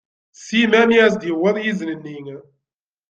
Sima mi as-d-yewweḍ yizen-nni.